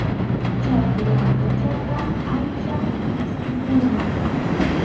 Challwa aychaqa ancha miskʼipunim.